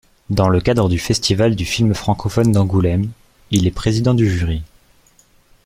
Dans le cadre du festival du film francophone d'Angoulême, il est président du jury.